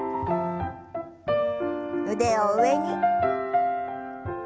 腕を上に。